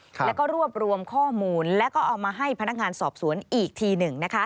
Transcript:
แล้วก็รวบรวมข้อมูลแล้วก็เอามาให้พนักงานสอบสวนอีกทีหนึ่งนะคะ